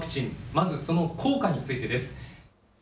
まずその効果についてです。